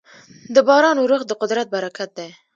د باران اورښت د قدرت برکت دی.